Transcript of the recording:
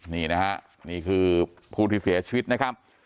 นี่นะฮะนี่คือผู้ที่เสียชีวิตนะครับ